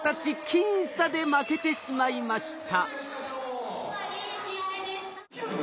僅差で負けてしまいました。